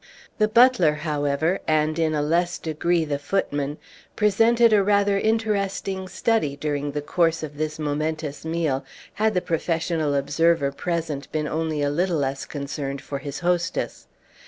The butler, however, and in a less degree the footman, presented a rather interesting study during the course of this momentous meal, had the professional observer present been only a little less concerned for his hostess.